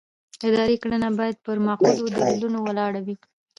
اداري کړنه باید پر معقولو دلیلونو ولاړه وي.